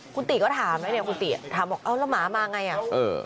คุณตี๋ก็ถามแล้วเนี่ยคุณตี๋ถามว่าแล้วหมามาอย่างไร